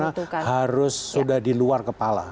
mitigasi bencana harus sudah di luar kepala